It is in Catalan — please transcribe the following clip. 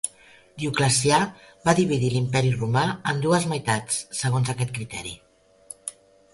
Dioclecià va dividir l'Imperi romà en dues meitats, segons aquest criteri.